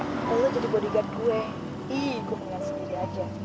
kalau lo jadi bodyguard gue ih gue pengen sendiri aja